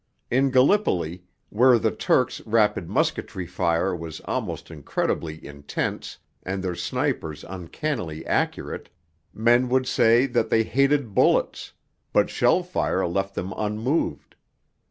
In Gallipoli, where the Turks' rapid musketry fire was almost incredibly intense and their snipers uncannily accurate, men would say that they hated bullets, but shell fire left them unmoved.